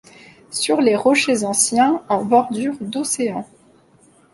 Sur les rochers anciens, en bordure d'océan.